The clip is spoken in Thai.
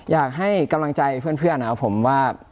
อยากให้กำลังใจเพื่อนนะครับผมว่า